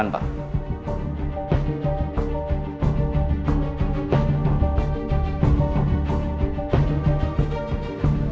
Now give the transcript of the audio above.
ini pak rekamannya